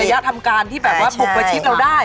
มีระยะทำการที่แบบว่าพูดไปที่เราได้